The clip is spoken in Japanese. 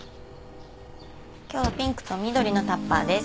今日はピンクと緑のタッパーです。